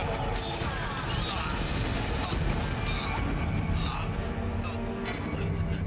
akan memusnahkan raksasa ini